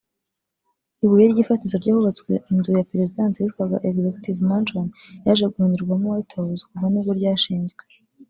ibuye ry'ifatizo ry’ahubatswe inzu ya perezidansi yitwaga Executive Mansion (yaje guhindurwamo White House kuva nibwo ryashinzwe